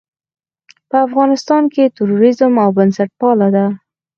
که په افغانستان کې تروريزم او بنسټپالنه ده.